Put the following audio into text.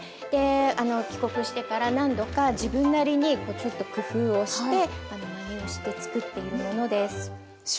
あの帰国してから何度か自分なりにちょっと工夫をしてまねをしてつくっているものです。